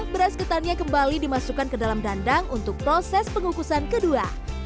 beras ketannya kembali dimasukkan ke dalam dandang untuk proses pengukusan kedua